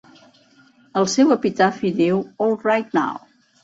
El seu epitafi diu "All Right Now".